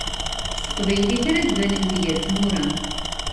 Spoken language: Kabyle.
S teqbaylit ara d-banemt gar tmura.